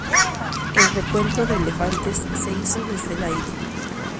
El recuento de elefantes se hizo desde el aire.